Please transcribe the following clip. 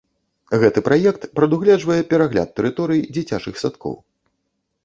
Гэты праект прадугледжвае перагляд тэрыторый дзіцячых садкоў.